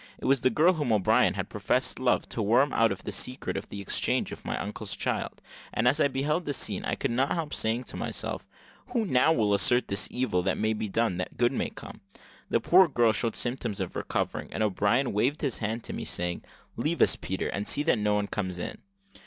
It was the girl to whom O'Brien had professed love, to worm out the secret of the exchange of my uncle's child; and as I beheld the scene, I could not help saying to myself, "Who now will assert that evil may be done that good may come?" The poor girl showed symptoms of recovering, and O'Brien waved his hand to me, saying, "Leave us, Peter, and see that no one comes in."